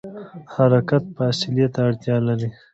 حرکت فاصلې ته اړتیا لري.